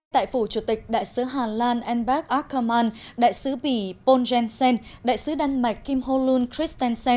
tại phủ chủ tịch đại sứ hà lan enbeth ackermann đại sứ bỉ pongen sen đại sứ đan mạch kim hồ luân chris ten sen